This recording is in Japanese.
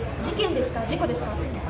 事件ですか、事故ですか。